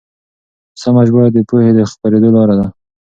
سمه ژباړه د پوهې د خپرېدو لاره ده.